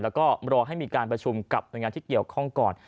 แล้วก็รอให้มีการประชุมกับหน่วยงานที่เกี่ยวข้องก่อน